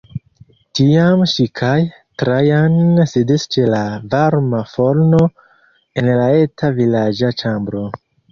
Tiam ŝi kaj Trajan sidis ĉe la varma forno en la eta vilaĝa ĉambro.